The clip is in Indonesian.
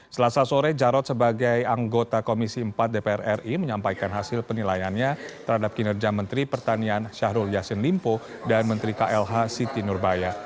selasa sore jarod sebagai anggota komisi empat dpr ri menyampaikan hasil penilaiannya terhadap kinerja menteri pertanian syahrul yassin limpo dan menteri klh siti nurbaya